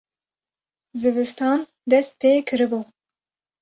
zivistan dest pê kiribû